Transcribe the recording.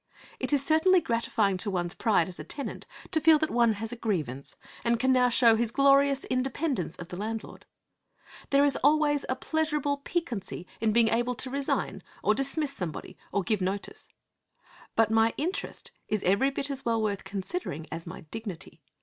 It is certainly gratifying to one's pride as a tenant to feel that one has a grievance and can now show his glorious independence of the landlord. There is always a pleasurable piquancy in being able to resign, or dismiss somebody, or give notice. But my interest is every bit as well worth considering as my dignity.